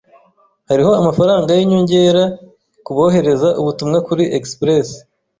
Hariho amafaranga yinyongera kubohereza ubutumwa kuri Express